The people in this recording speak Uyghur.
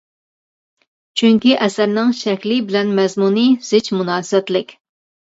چۈنكى ئەسەرنىڭ شەكلى بىلەن مەزمۇنى زىچ مۇناسىۋەتلىك.